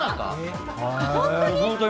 本当に。